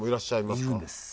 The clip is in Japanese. いるんです。